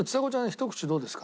ひと口どうですか？